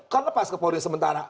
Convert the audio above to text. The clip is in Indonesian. kan lepas ke polri sementara